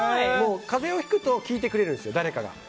風邪をひくと聞いてくれるんですよ、誰かが。